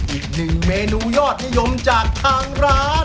อีกหนึ่งเมนูยอดนิยมจากทางร้าน